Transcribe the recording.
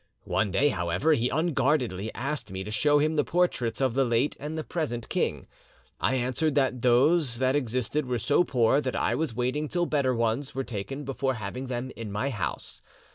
"'One day, however, he unguardedly asked me to show him the portraits of the late and the present king. I answered that those that existed were so poor that I was waiting till better ones were taken before having them in my house.